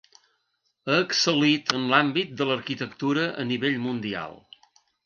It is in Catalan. Ha excel·lit en l’àmbit de l’arquitectura a nivell mundial.